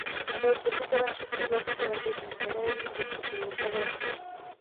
Byl držitelem šesti zlatých olympijských medailí v disciplíně šavle.